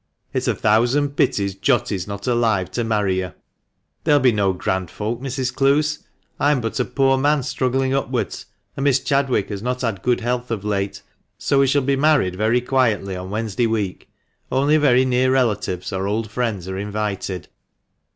It's a thousand pities Jotty is not alive to marry you." " There will be no grand folk, Mrs. Clowes ; I am but a poor man struggling upwards, and Miss Chadwick has not had good health of late ; so we shall be married very quietly on Wednesday week. Only very near relatives or old friends are invited."